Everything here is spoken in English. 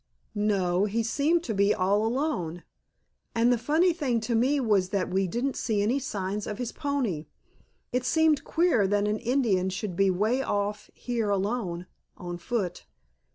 "No, he seemed to be all alone. And the funny thing to me was that we didn't see any signs of his pony. It seemed queer that an Indian should be way off here alone, on foot."